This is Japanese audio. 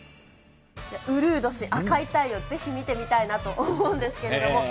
うるうどし、赤い太陽、ぜひ見てみたいなと思うんですけれども。